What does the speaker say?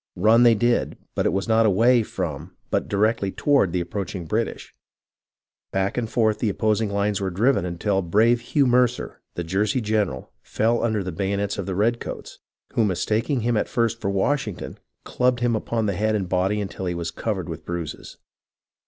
Run they did, but it was not away from but directly toward the approaching British. Back and forth the opposing lines were driven until brave Hugh Mercer, the Jersey general, fell under the bayonets of the redcoats, who, mistaking him at first TRENTON AND PRINCETON 1 45 for Washington, clubbed him upon the head and body until he was covered with bruises.